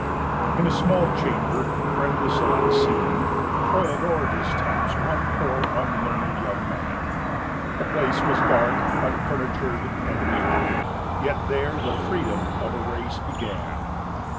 _ In a small chamber, friendless and unseen, Toiled o'er his types one poor, unlearned young man; The place was dark, unfurnitured, and mean; Yet there the freedom of a race began.